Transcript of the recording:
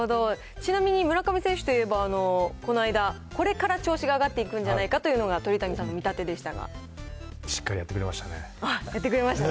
ちなみに村上選手といえば、この間、これから調子が上がっていくんじゃないかというのが鳥谷さんの見しっかりやってくれましたねやってくれましたね。